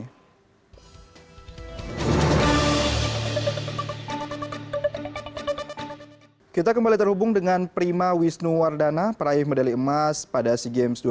kita kembali terhubung dengan prima wisnuwardana peraih medali emas pada sea games dua ribu delapan belas